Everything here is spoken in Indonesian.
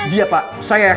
dia pak saya yakin